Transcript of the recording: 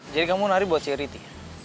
jadi kamu nari buat si riti